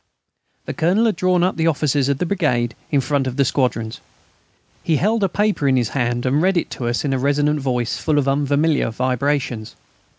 The Colonel had drawn up the officers of the brigade in front of the squadrons. He held a paper in his hand and read it to us in a resonant voice, full of unfamiliar vibrations.